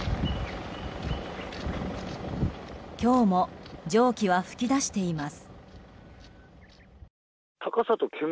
今日も蒸気は噴き出しています。